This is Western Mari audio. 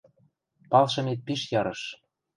Палшымет пиш ярыш.